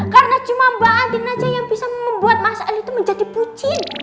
karena cuma mbak andin aja yang bisa membuat mas al itu menjadi pucin